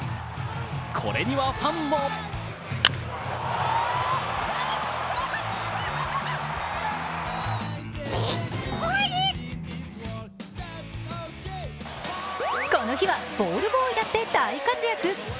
これにはファンもこの日はボールボーイだって大活躍。